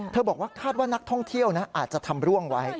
บอกว่าคาดว่านักท่องเที่ยวอาจจะทำร่วงไว้